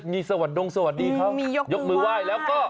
เออมีสวัสด์ดงสวัสดีเขาก็ยกมือไหว้แล้วก็